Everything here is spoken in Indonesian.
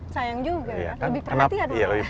sayang juga lebih perhatian